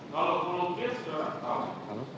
kalau pulau k sudah tahu